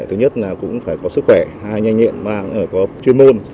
thứ nhất là cũng phải có sức khỏe hai là nhanh nhẹn ba là phải có chuyên môn